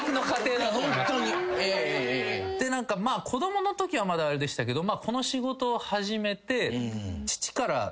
子供のときはまだあれでしたけどこの仕事を始めて。